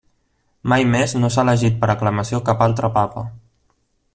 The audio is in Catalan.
Mai més no s'ha elegit per aclamació cap altre papa.